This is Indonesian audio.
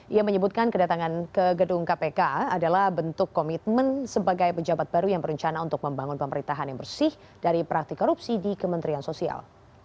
ia menyebutkan kedatangan ke gedung kpk adalah bentuk komitmen sebagai pejabat baru yang berencana untuk membangun pemerintahan yang bersih dari praktik korupsi di kementerian sosial